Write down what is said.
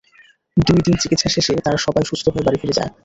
দুই দিন চিকিৎসা শেষে তারা সবাই সুস্থ হয়ে বাড়ি ফিরে যায়।